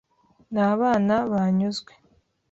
Nta bana banyuzwe